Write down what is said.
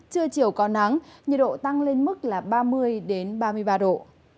trưa chiều còn nắng nhiệt độ tăng lên mức ba mươi đến ba mươi ba độ